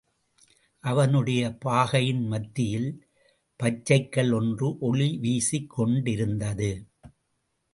அவனுடைய பாகையின் மத்தியில் பச்சைக்கல் ஒன்று ஒளி வீசிக் கொண்டிருந்தது.